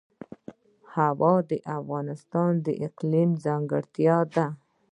هوا د افغانستان د اقلیم ځانګړتیا ده.